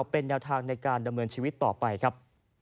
เป็นแนวทางในการดำเนินชีวิตต่อไปครับ